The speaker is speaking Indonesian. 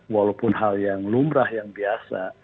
walaupun hal yang lumrah yang biasa